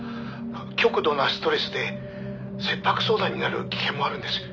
「極度のストレスで切迫早産になる危険もあるんです」